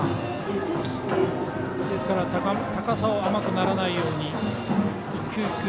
ですから高さを甘くならないように一球一球